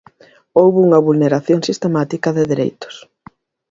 Houbo unha vulneración sistemática de dereitos.